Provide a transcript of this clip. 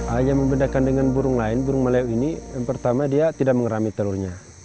ayah membedakan dengan burung lain burung malio ini yang pertama dia tidak mengerami telurnya